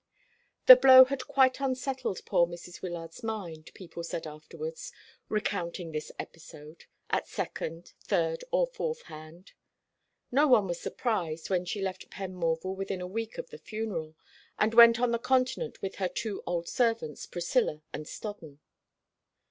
The blow had quite unsettled poor Mrs. Wyllard's mind, people said afterwards, recounting this episode, at second, third, or fourth hand. No one was surprised when she left Penmorval within a week of the funeral, and went on the Continent with her two old servants, Priscilla and Stodden.